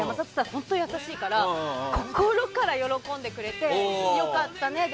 本当に優しいから心から喜んでくれてよかったねと。